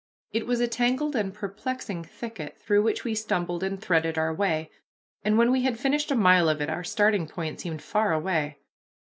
It was a tangled and perplexing thicket, through which we stumbled and threaded our way, and when we had finished a mile of it, our starting point seemed far away.